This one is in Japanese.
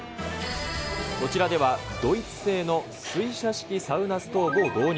こちらではドイツ製の水車式サウナストーブを導入。